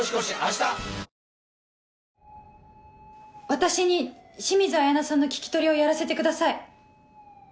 私に清水彩菜さんの聞き取りをやらせてください。